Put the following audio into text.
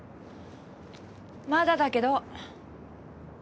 まだだけど。